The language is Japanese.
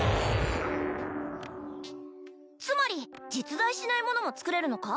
つまり実在しないものも作れるのか？